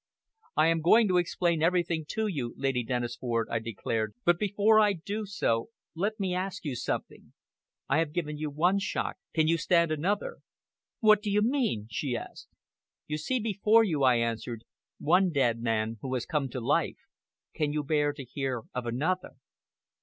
"I am going to explain everything to you, Lady Dennisford," I declared; "but before I do so, let me ask you something! I have given you one shock! Can you stand another?" "What do you mean?" she asked. "You see before you," I answered, "one dead man who has come to life. Can you bear to hear of another?"